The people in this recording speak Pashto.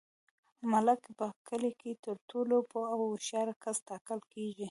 ملک په کلي کي تر ټولو پوه او هوښیار کس ټاکل کیږي.